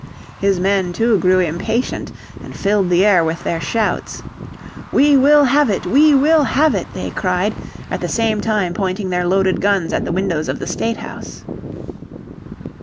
His men, too, grew impatient and filled the air with their shouts. "We will have it, we will have it!" they cried, at the same time pointing their loaded guns at the windows of the State House.